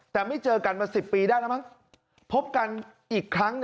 แต่ไม่เจอกันมา๑๐ปีได้นะมั้ง